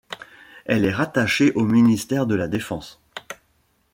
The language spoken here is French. Elle est rattachée au ministère de la Défense.